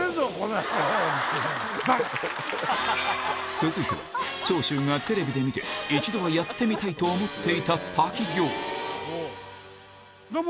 続いては長州がテレビで見て一度はやってみたいと思っていた滝行どうも！